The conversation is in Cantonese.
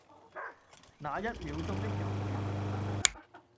那一秒鐘的猶豫